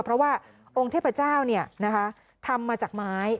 เพราะว่าองค์เทพเจ้าทำมาจากไม้